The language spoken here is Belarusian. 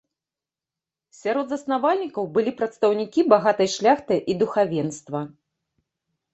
Сярод заснавальнікаў былі прадстаўнікі багатай шляхты і духавенства.